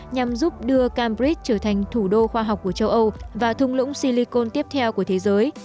nhằm giúp đưa cambridge trở thành thủ đô khoa học của châu âu và thung lũng siêu côn tiếp theo của thế giới